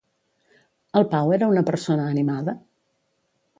El Pau era una persona animada?